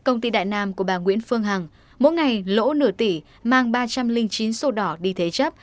công ty đại nam của bà nguyễn phương hằng mỗi ngày lỗ nửa tỷ mang ba trăm linh chín sổ đỏ đi thế chấp